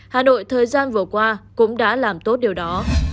hà nội thời gian vừa qua cũng đã làm tốt điều đó